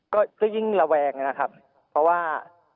ก็ยิ่งเลวงนี่นะครับเพราะว่า